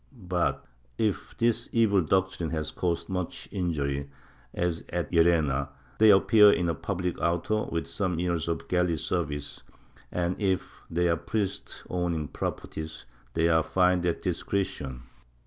But, if this evil doctrine has caused much injury, as at Llerena, they appear in a public auto with some years of galley service and, if they are priests owning property, they are fined at discretion.